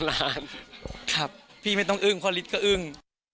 หลานครับพี่ไม่ต้องอึ้งพ่อฤทธิก็อึ้ง